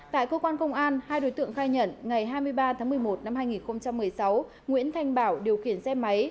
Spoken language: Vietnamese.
tại cơ quan công an hai đối tượng khai nhận ngày hai mươi ba tháng một mươi một năm hai nghìn một mươi sáu nguyễn thanh bảo điều khiển xe máy